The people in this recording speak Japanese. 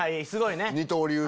すごいね。